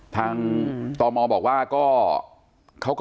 ทางตอบมอบอกว่าก็